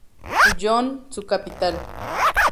John, su capital.